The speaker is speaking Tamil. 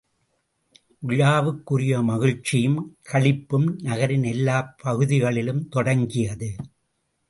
விழாவுக்குரிய மகிழ்ச்சியும் களிப்பும் நகரின் எல்லாப் பகுதிகளிலும் தொடங்கியது.